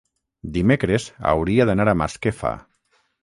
dimecres hauria d'anar a Masquefa.